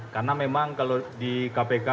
karena memang kalau di kpk